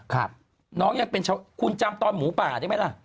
คุณจำตอนหมูป่าได้ไหมล่ะ